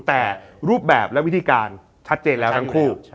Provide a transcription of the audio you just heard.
แต่รูปแบบและวิธีการชัดเจนแล้วทั้งคู่